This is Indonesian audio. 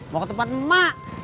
mau ke tempat emak